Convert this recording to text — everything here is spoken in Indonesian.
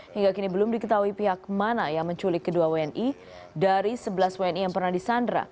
hingga kini belum diketahui pihak mana yang menculik kedua wni dari sebelas wni yang pernah disandra